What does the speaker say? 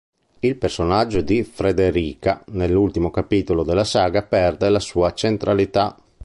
Il personaggio di Frederica nell'ultimo capitolo della saga perde la sua centralità.